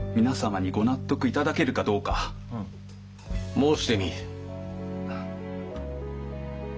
申してみい。